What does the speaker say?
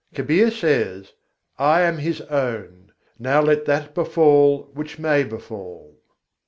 Kabîr says: "I am His own: now let that befall which may befall!"